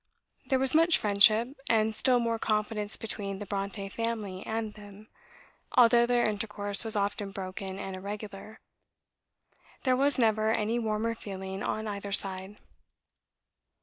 There was much friendship, and still more confidence between the Brontë family and them, although their intercourse was often broken and irregular. There was never any warmer feeling on either side.